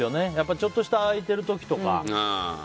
ちょっとした空いている時とか。